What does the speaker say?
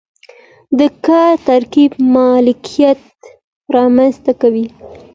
د کار ترکیب مالکیت رامنځته کوي.